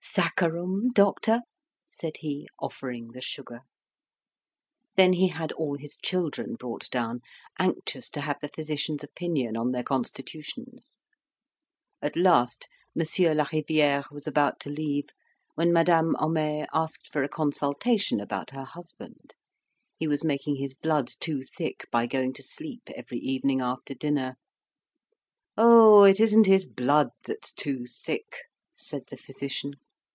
"Saccharum, doctor?" said he, offering the sugar. Then he had all his children brought down, anxious to have the physician's opinion on their constitutions. At last Monsieur Lariviere was about to leave, when Madame Homais asked for a consultation about her husband. He was making his blood too thick by going to sleep every evening after dinner. "Oh, it isn't his blood that's too thick," said the physician.